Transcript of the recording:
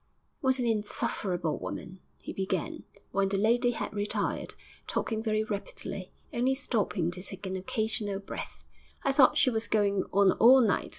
'What an insufferable woman!' he began, when the lady had retired, talking very rapidly, only stopping to take an occasional breath. 'I thought she was going on all night.